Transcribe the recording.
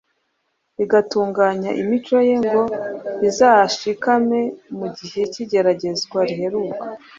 igatunganya imico ye ngo izashikame mu gihe cy’igeragezwa riheruka.